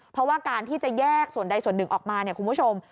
เพราะว่าการที่จะแยกส่วนใดส่วนหนึ่งออกมาเนี่ยคุณผู้ชม